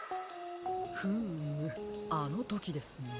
フームあのときですね。